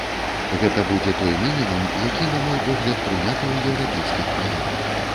Гэта будзе той мінімум, які, на мой погляд, прыняты ў еўрапейскіх краінах.